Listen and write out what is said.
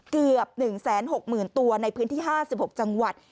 เกือบ๑๖๐๐๐ตัวในพื้นที่๕๖จังหวัด